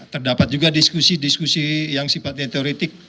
terdapat juga diskusi diskusi yang sifatnya teori teori